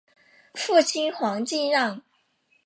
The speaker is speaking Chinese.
父亲黄敬让。